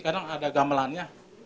kadang ada gamelannya